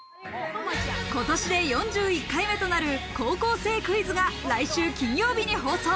今年で４１回目となる『高校生クイズ』が来週金曜日に放送。